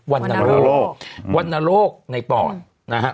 วันนโรควันนโรคในปอดนะฮะ